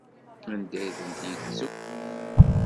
Anda i tent-yettu?